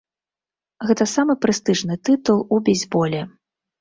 Гэта самы прэстыжны тытул у бейсболе.